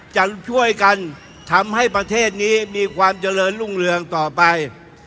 จะช่วยกันทำให้ประเทศนี้มีความเจริญรุ่งเรืองต่อไป